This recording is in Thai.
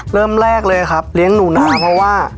เริ่มแรกเลยครับเลี้ยงหนูนาเพราะว่า